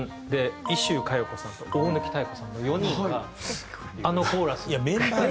伊集加代子さんと大貫妙子さんの４人があのコーラスに。